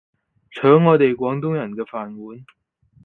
搶我哋廣東人嘅飯碗